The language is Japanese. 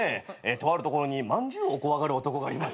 とあるところにまんじゅうを怖がる男がいまして。